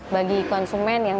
bagi konsumen yang memang berwajar